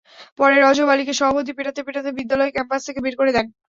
পরে রজব আলীকে সভাপতি পেটাতে পেটাতে বিদ্যালয় ক্যাম্পাস থেকে বের করে দেন।